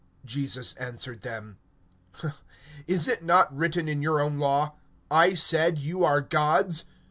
(34)Jesus answered them: Is it not written in your law, I said, Ye are gods?